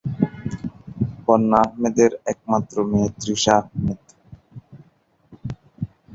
বন্যা আহমেদের একমাত্র মেয়ে তৃষা আহমেদ।